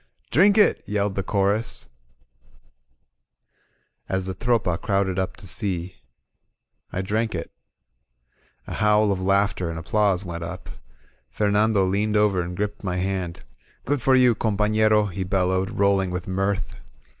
"Drink it," yelled the chorus as the Tropa crowded up to see. I drank it. A howl of 86 \ INSURGENT MEXICO laughter and applause went up. Fernando leaned over and gripped my hand. Grood for you, com pafleroV* he bellowed, rolling with mirth.